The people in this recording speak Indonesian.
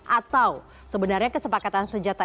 atau sebenarnya kesepakatan senjata